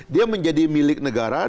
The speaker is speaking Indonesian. dia menjadi milik negara